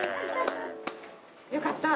よかった。